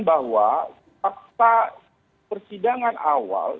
bahwa fakta persidangan awal